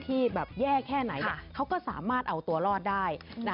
ที่แบบแย่แค่ไหนเขาก็สามารถเอาตัวรอดได้